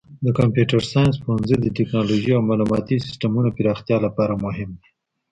د کمپیوټر ساینس پوهنځی د تکنالوژۍ او معلوماتي سیسټمونو پراختیا لپاره مهم دی.